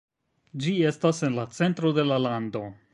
Ĝi estas en la centro de la lando.